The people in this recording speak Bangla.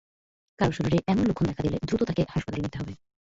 কারও শরীরে এমন লক্ষণ দেখা দিলে দ্রুত তাকে হাসপাতালে নিতে হবে।